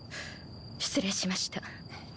失礼しました。